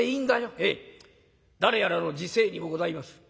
「ええ誰やらの辞世にもございます。